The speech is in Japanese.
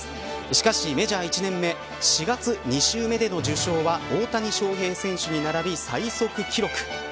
しかし、メジャー１年目４月２週目での受賞は大谷翔平選手に並び最速記録。